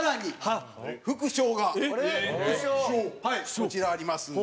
こちら、ありますんで。